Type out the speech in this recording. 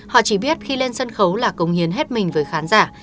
họ chỉ biết khi lên sân khấu là công hiến hết mình với khán giả